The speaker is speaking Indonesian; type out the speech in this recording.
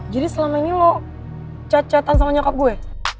jadi selama ini lo chat chatan sama nyokap gue